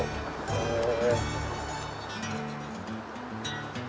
へえ。